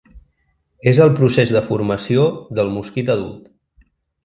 És el procés de formació del mosquit adult.